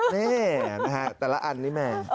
นี่นะฮะแต่ละอันนี้แม่